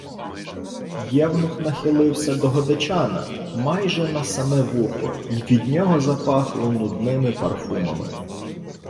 Євнух нахилився до Годечана майже на саме вухо, й від нього запахло нудними парфумами: